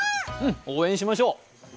応援しましょう。